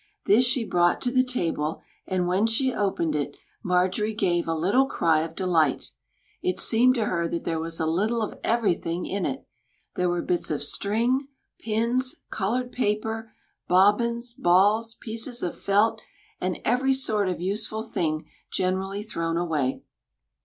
This she brought to the table, and when she opened it, Marjorie gave a little cry of delight. It seemed to her that there was a little of everything in it. There were bits of string, pins, colored paper, bobbins, balls, pieces of felt, and every sort of useful thing generally thrown away.